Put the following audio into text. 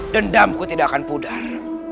dendamku tidak akan pudar